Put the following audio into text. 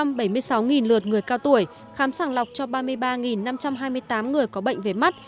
trong đó hội người cao tuổi đã vận động được một mươi sáu lượt người cao tuổi khám sàng lọc cho ba mươi ba năm trăm hai mươi tám người có bệnh về mắt